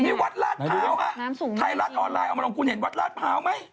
นี่วัดราชพาวค่ะไทยรัฐออนไลน์เอามาลองคุณเห็นวัดราชพาวไหม